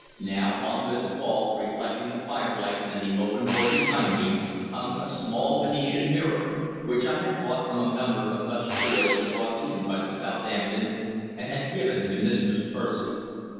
Now, on this wall, reflecting the firelight and the open door behind me, hung a small Venetian mirror, which I had bought from a number of such toys brought in by the Southampton, and had given to Mistress Percy.